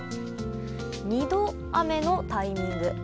２度、雨のタイミング。